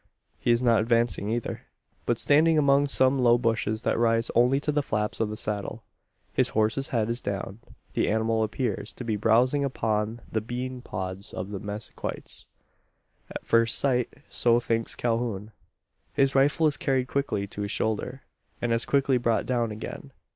He is not advancing either; but standing among some low bushes that rise only to the flaps of the saddle. His horse's head is down. The animal appears to be browsing upon the bean pods of the mezquites. At first sight, so thinks Calhoun. His rifle is carried quickly to his shoulder, and as quickly brought down again.